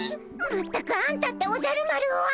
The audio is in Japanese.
全くあんたっておじゃる丸は！